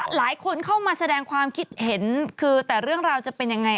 หลายคนเข้ามาแสดงความเห็นเรื่องราวจะเป็นยังไง